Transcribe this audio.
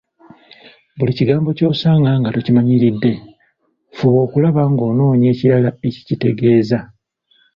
Buli kigambo ky’osanga nga tomanyiridde, fuba okulaba ng’onoonya ekirala ekikitegeeza.